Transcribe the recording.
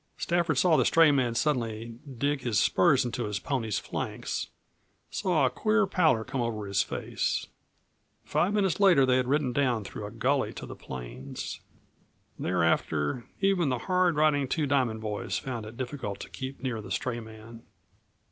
Stafford saw the stray man suddenly dig his spurs into his pony's flanks, saw a queer pallor come over his face. Five minutes later they had ridden down through a gully to the plains. Thereafter, even the hard riding Two Diamond boys found it difficult to keep near the stray man.